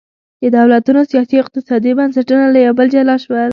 د دولتونو سیاسي او اقتصادي بنسټونه له یو بل جلا شول.